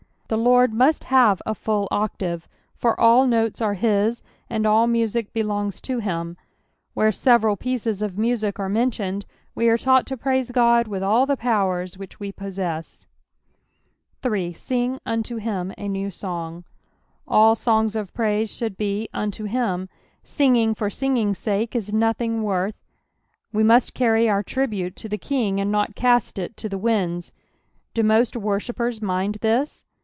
Q'ho Lord must hare a full octave, for all notes a tus, and all music belongs to him^ Where several pieces of music are me: lioned, we are taught to praise Goowitb all the powers which we possess. 116 zxposmoKS OP thb psi^uis. 8. " Sing vtUo him a nea song." All songs of pnuse should be " vnto itfl*." Singing for sioging's sake is nothing worth ; we must carry our tribute to the King, and not cast it to the ninds. Do most worshippers mind this